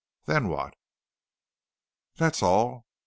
"Then what?" "That's all.